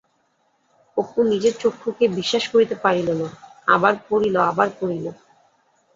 অপু নিজের চক্ষুকে বিশ্বাস করিতে পারিল না,-আবার পড়িল-আবার পড়িল।